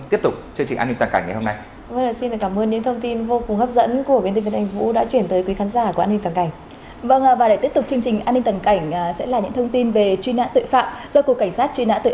tiếp tục chương trình an ninh tàn cảnh ngày hôm nay